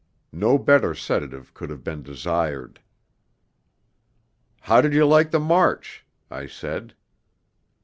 No better sedative could have been desired. 'How did you like the march?' I said.